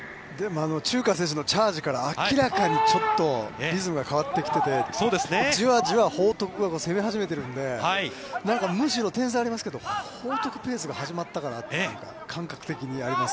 ◆チューカ選手のチャージから明らかにちょっとリズムが変わってきてて、じわじわ報徳が攻め始めているんで、何かむしろ点差はありますけれども、報徳ペースが始まったかなというか、感覚的にあります。